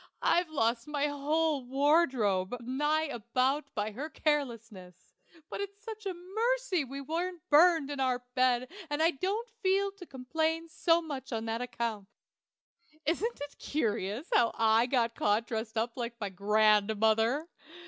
I've lost my whole wardrobe, nigh about, by her carelessness; but it's such a mercy we wasn't burned in our bed that I don't feel to complain so much on that account. Isn't it curious how I got caught dressed up like my grandmother?